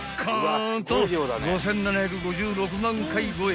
んと５，７５６万回超え］